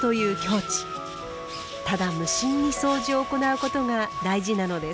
ただ無心にそうじを行うことが大事なのです。